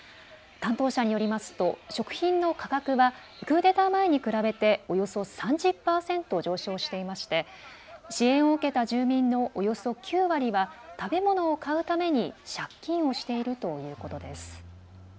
担当者によりますと食品の価格はクーデター前に比べておよそ３０％上昇していまして支援を受けた住民のおよそ９割は食べ物を買うために借金をしているということです。